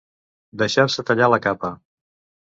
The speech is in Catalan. Deixar-se tallar la capa.